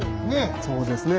そうですね。